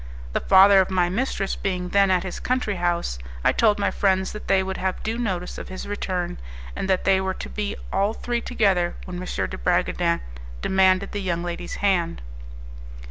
The father of my mistress being then at his country house, I told my friends that they would have due notice of his return, and that they were to be all three together when M. de Bragadin demanded the young lady's hand.